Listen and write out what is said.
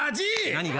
何が？